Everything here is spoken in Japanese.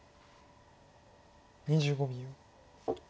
２５秒。